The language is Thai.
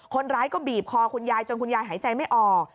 คนร้ายก็บีบคอคุณยายจนคุณยายหายใจไม่ออก